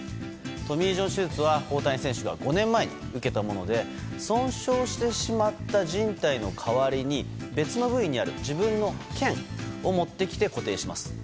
トミー・ジョン手術は大谷選手が５年前に受けたもので損傷してしまったじん帯の代わりに別の部位にある自分の腱を持ってきて固定します。